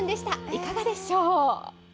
いかがでしょう。